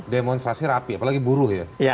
demonstrasi rapi apalagi buruh ya